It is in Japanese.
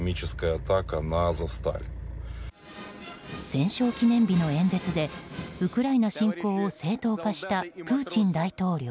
戦勝記念日の演説でウクライナ侵攻を正当化したプーチン大統領。